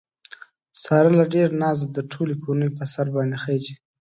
ساره له ډېره نازه د ټولې کورنۍ په سر باندې خېژي.